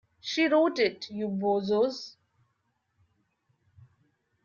She wrote it, you bozos.